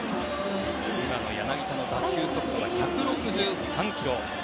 柳田の打球速度は１６３キロ。